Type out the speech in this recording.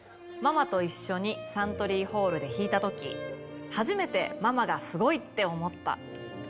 ママと一緒にサントリーホールで弾いたとき、初めてママがすごいって思った。